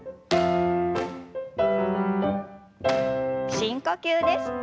深呼吸です。